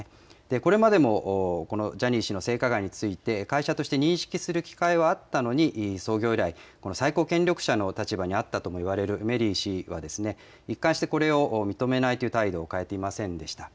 これまでもこのジャニー氏の性加害について、会社として認識する機会はあったのに、創業以来、この最高権力者の立場にあったともいわれるメリー氏は、一貫してこれを認めないという態度を変えていませんでした。